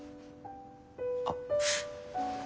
あっ。